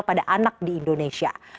pada anak di indonesia